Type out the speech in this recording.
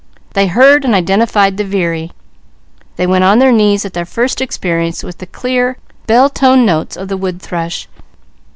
They heard and identified the veery. They went on their knees at their first experience with the clear, bell toned notes of the wood thrush.